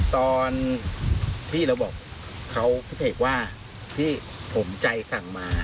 ตอนพี่เราบอกเขาพี่เอกว่าพี่ผมใจสั่งมา